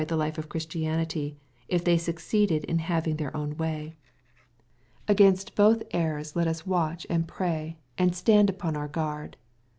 the life of Christianity^ if they succeeded in having theii own way. Against both errors let us watch and pray, and stand upon our guard.